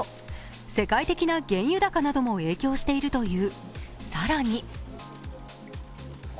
世界的な原油高なども影響しているという。